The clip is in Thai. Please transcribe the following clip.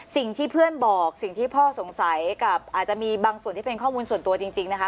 สิ่งที่เพื่อนบอกสิ่งที่พ่อสงสัยกับอาจจะมีบางส่วนที่เป็นข้อมูลส่วนตัวจริงนะคะ